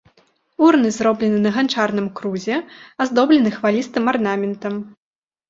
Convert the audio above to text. Урны зроблены на ганчарным крузе, аздоблены хвалістым арнаментам.